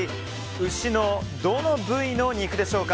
牛のどの部位の肉でしょうか？